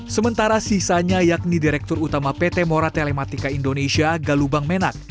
sementara sisanya yakni direktur utama pt mora telematika indonesia galubang menak